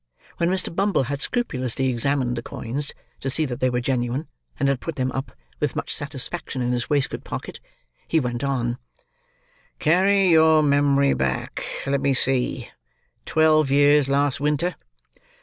When Mr. Bumble had scrupulously examined the coins, to see that they were genuine, and had put them up, with much satisfaction, in his waistcoat pocket, he went on: "Carry your memory back—let me see—twelve years, last winter."